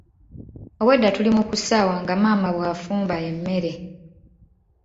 Obwedda tuli mu kusaawa nga maama bw'afumba emmere.